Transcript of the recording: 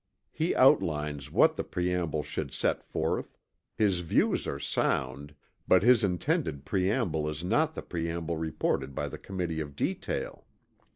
He outlines what the preamble should set forth; his views are sound, but his intended preamble is not the preamble reported by the Committee of Detail.